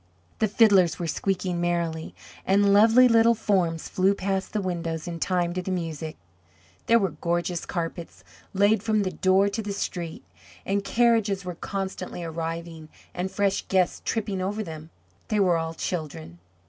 The fiddles were squeaking merrily, and lovely little forms flew past the windows in time to the music. There were gorgeous carpets laid from the door to the street, and carriages were constantly arriving and fresh guests tripping over them. They were all children.